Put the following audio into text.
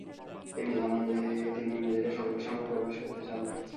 তিনি জানান যে তিনি নিজেকে সকলের সামনে প্রকাশ করতে চান না।